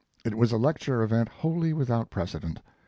It was a lecture event wholly without precedent.